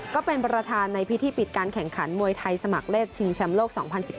ก็เป็นประธานในพิธีปิดการแข่งขันมวยไทยสมัครเล่นชิงแชมป์โลก๒๐๑๙